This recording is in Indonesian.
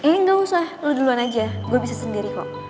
eh gak usah lo duluan aja gue bisa sendiri kok